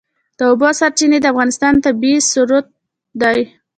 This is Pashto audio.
د اوبو سرچینې د افغانستان طبعي ثروت دی.